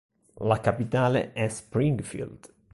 La capitale è Springfield.